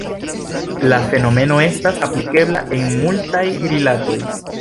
La fenomeno estas aplikebla en multaj rilatoj.